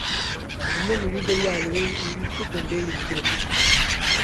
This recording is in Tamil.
இன்னும் இழுபறியாக இழுத்துக் கொண்டே இருக்கிறது.